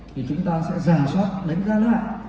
thì chúng ta sẽ rà soát đánh giá lại